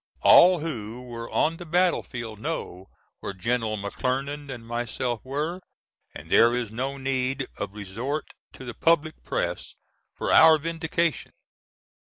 All who were on the battlefield know where General McClernand and myself were, and there is no need of resort to the public press for our vindication.